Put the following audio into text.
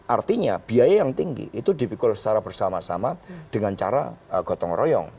artinya biaya yang tinggi itu dipikul secara bersama sama dengan cara gotong royong